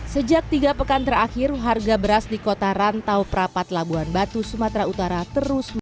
sejak tiga pekan terakhir harga beras di kota rantau prapat labuan batu sumatera utara terus menurun